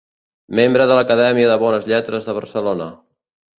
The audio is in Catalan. Membre de l'Acadèmia de Bones Lletres de Barcelona.